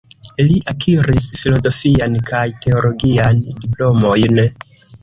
Li akiris filozofian kaj teologian diplomojn.